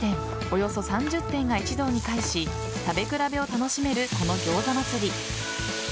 およそ３０店が一堂に会し食べ比べを楽しめるこの餃子祭り。